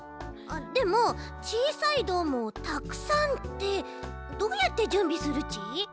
でもちいさいどーもをたくさんってどうやってじゅんびするち？